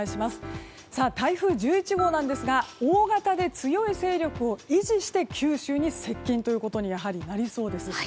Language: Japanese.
台風１１号ですが大型で強い勢力を維持して九州に接近ということになりそうです。